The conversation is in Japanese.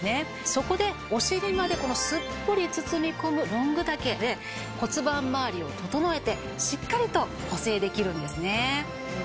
そこでお尻まですっぽり包み込むロング丈で骨盤まわりを整えてしっかりと補整できるんですね。